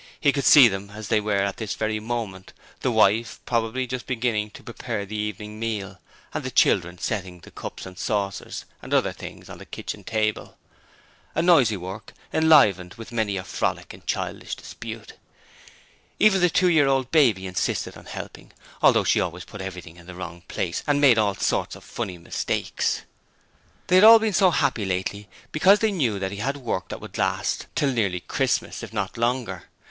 He could see them as they were at this very moment, the wife probably just beginning to prepare the evening meal, and the children setting the cups and saucers and other things on the kitchen table a noisy work, enlivened with many a frolic and childish dispute. Even the two year old baby insisted on helping, although she always put everything in the wrong place and made all sorts of funny mistakes. They had all been so happy lately because they knew that he had work that would last till nearly Christmas if not longer.